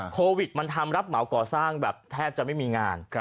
โควิดมันทำรับเหมาก่อสร้างแบบแทบจะไม่มีงาน